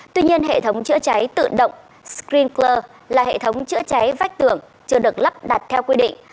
tuy nhiên hệ thống chữa trái tự động screencler là hệ thống chữa trái vách tường chưa được lắp đặt theo quy định